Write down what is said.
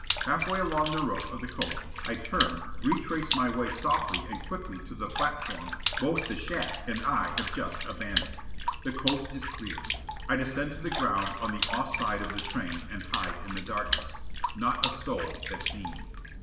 Halfway along the roof of the coach, I turn, retrace my way softly and quickly to the platform both the shack and I have just abandoned. The coast is clear. I descend to the ground on the off side of the train and hide in the darkness. Not a soul has seen me.